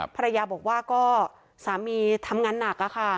ภรรยาบอกว่าก็สามีทำงานหนักค่ะ